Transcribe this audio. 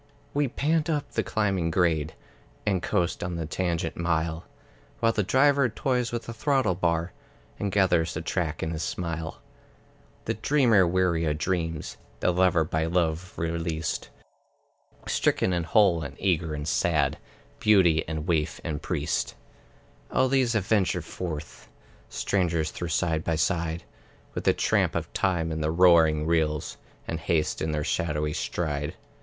We pant up the climbing grade, And coast on the tangent mile, While the Driver toys with the throttle bar, And gathers the track in his smile. The dreamer weary of dreams, The lover by love released, Stricken and whole, and eager and sad, Beauty and waif and priest, All these adventure forth, Strangers though side by side, With the tramp of time in the roaring wheels, And haste in their shadowy stride.